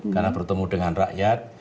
karena bertemu dengan rakyat